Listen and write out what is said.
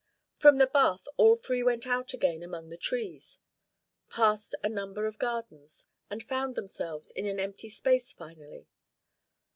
From the bath all three went out again among the trees, passed a number of gardens, and found themselves in an empty space finally.